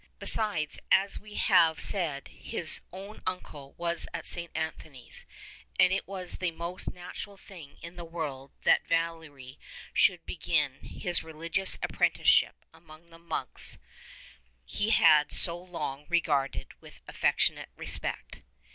Besides, as we have said, his own uncle was at St. Antony's, and it was the most natural thing in the world that Valery should begin his religious, apprenticeship among the monks he had so long regarded with affectionate respect.